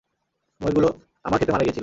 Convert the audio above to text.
ময়ূরগুলো আমার ক্ষেতে মারা গিয়েছিল।